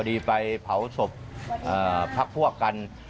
ไปเผาศพพักพวกกัน